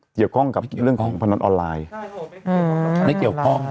เกี่ยวข้องกับเรื่องของพนันออนไลน์ไม่เกี่ยวข้อง